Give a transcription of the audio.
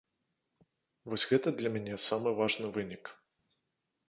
Вось гэта для мяне самы важны вынік.